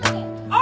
あ。